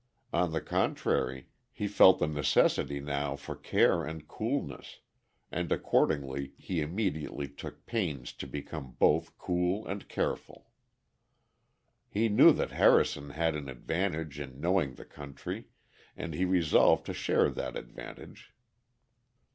On the contrary, he felt the necessity now for care and coolness, and accordingly he immediately took pains to become both cool and careful. He knew that Harrison had an advantage in knowing the country, and he resolved to share that advantage.